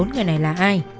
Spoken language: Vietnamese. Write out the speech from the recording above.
bốn người này là ai